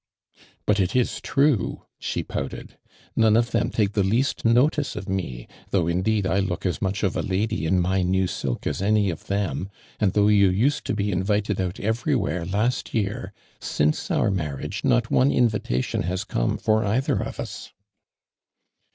" But it is true !" she pouted. '• None of them take the least noti«e of me, though indeed 1 look us muth of a latly in luy new silk as any of them, and though you used to bo invited out everywhere last year, since our marriage not one invitation hu como for either of us."